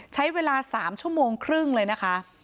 ใช้เวลา๓ชั่วโมงครึ่งเลยนะคะ